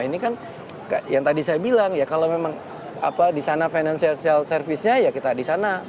ini kan yang tadi saya bilang ya kalau memang di sana financial service nya ya kita di sana